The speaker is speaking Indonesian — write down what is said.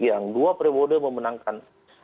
yang dua pre border memenangkan